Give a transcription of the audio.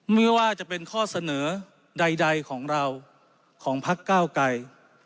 ไม่ว่าจะเป็นข้อเสนอใดของเราของพักเก้าไกร